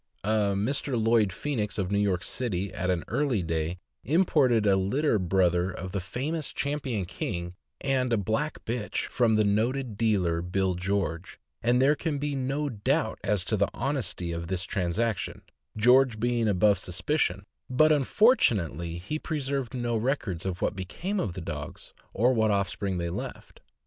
A Mr. Lloyd Phoenix, of New York City, at an early day, im ported a litter brother of the famous Champion King, and a black bitch, from the noted dealer Bill George, and there can be no doubt as to the honesty of this transaction, George being above suspicion; but, unfortunately, he pre served no records of what became of the dogs, or what offspring they left.